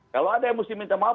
kalau ada yang mesti minta maaf